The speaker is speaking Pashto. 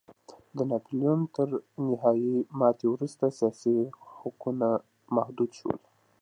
د ناپلیون تر نهايي ماتې وروسته سیاسي حقونه محدود شول.